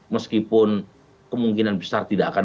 meskipun kemungkinan besar tidak akan